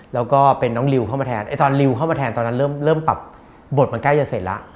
แล้วก็เป็นน้องริวเข้ามาแทนตอนริวเข้ามาแทนตอนนั้นเริ่มปรับบทมันใกล้จะเสร็จแล้ว